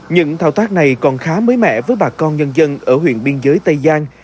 những thao tác này còn khá mới mẻ với bà con nhân dân ở huyện biên giới tây giang